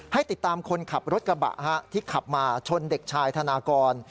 ให้ติดตามคนขับรถกระบะที่ขับมาชนเด็กชายธนากร